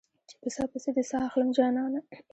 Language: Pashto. چې په ساه پسې دې ساه اخلم جانانه